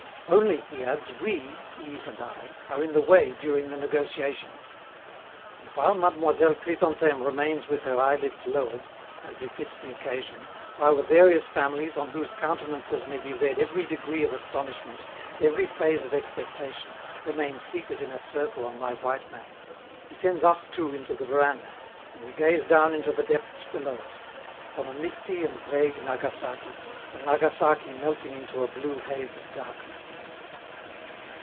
Only, he adds, we, Yves and I, are in the way during the negotiations. And, while Mademoiselle Chrysantheme remains with her eyelids lowered, as befits the occasion, while the various families, on whose countenances may be read every degree of astonishment, every phase of expectation, remain seated in a circle on my white mats, he sends us two into the veranda, and we gaze down into the depths below us, upon a misty and vague Nagasaki, a Nagasaki melting into a blue haze of darkness.